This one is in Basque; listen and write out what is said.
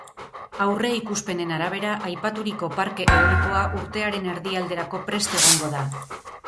Aurreikuspenen arabera, aipaturiko parke eolikoa urtearen erdialderako prest egongo da.